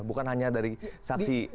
bukan hanya dari saksi kherul anas